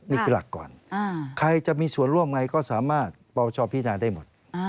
นี่คือหลักก่อนใครจะมีส่วนร่วมไงก็สามารถปปชพินาได้หมด